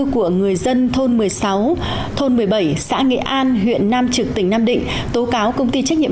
của người dân thôn một mươi sáu thôn một mươi bảy xã nghệ an huyện nam trực tỉnh nam định tố cáo công ty trách nhiệm